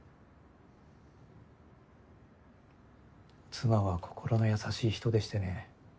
妻は心の優しい人でしてね。